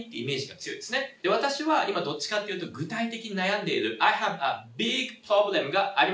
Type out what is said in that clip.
で私は今どっちかというと具体的に悩んでいるＩｈａｖｅａｂｉｇｐｒｏｂｌｅｍ．があります。